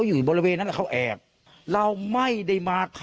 อืม